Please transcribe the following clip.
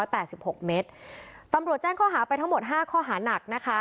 แต่๑๖เหม็นเต็มโปรแจ้งข้อหาไปทั้งหมดห้าข้อหาหนักนะคะ